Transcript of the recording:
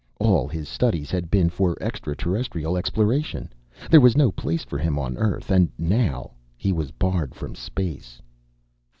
All his studies had been for extraterrestrial exploration. There was no place for him on Earth; and now he was barred from space.